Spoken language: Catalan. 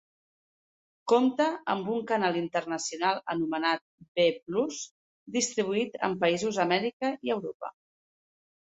Compte amb un canal internacional anomenat Ve Plus, distribuït en països a Amèrica i Europa.